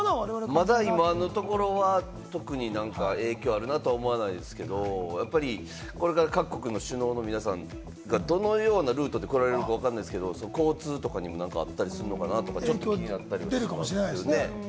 まだ今のところは特に影響あるなと思わないですけれど、やっぱりこれから各国の首脳の皆さんが、どのようなルートで来られるのかわからないですけれども、交通にも影響あるのかな？とか気になったりしますね。